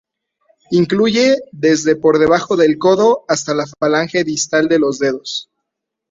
Incluye desde por debajo del codo hasta la falange distal de los dedos.